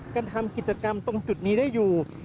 กันทำกิจกรรมตรงจุดนี้ได้อยู่